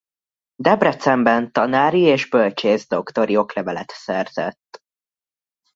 Debrecenben tanári és bölcsészdoktori oklevelet szerzett.